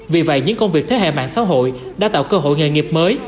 vì vậy những công việc thế hệ mạng xã hội đã tạo cơ hội nghề nghiệp mới